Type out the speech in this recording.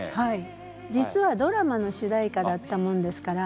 実はドラマの主題歌だったもんですから。